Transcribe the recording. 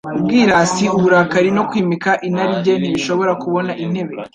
Ubwirasi, uburakari no kwimika inarijye ntibishobora kubona intebe